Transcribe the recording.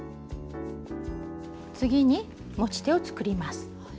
次に持ち手を作ります。